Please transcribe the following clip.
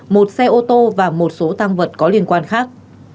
một xe ô tô và một số tăng vật có liên quan khác